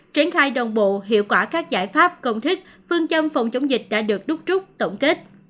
triển khai đồng bộ hiệu quả các giải pháp công thức phương châm phòng chống dịch đã được đúc trúc tổng kết